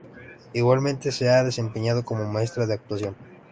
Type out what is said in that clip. Igualmente se ha desempeñado como maestra de actuación.